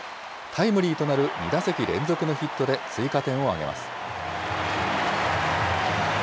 タイムリーとなる２打席連続のヒットで追加点を挙げます。